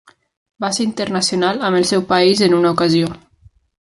Va ser internacional amb el seu país en una ocasió.